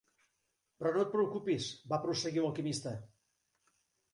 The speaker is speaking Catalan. "Però no et preocupis", va prosseguir l'alquimista.